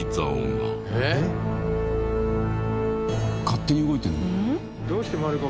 勝手に動いてる。